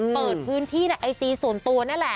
เปิดพื้นที่ในไอจีส่วนตัวนั่นแหละ